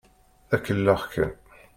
D akellex kan.